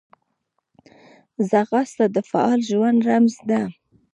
ځغاسته د فعال ژوند رمز ده